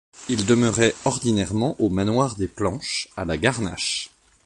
Il demeurait ordinairement au manoir des Planches, à La Garnache.